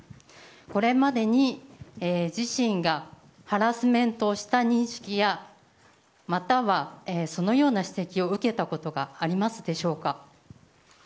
これまでに自身がハラスメントをした認識やまたはそのような指摘を受けたことがありますでしょうか。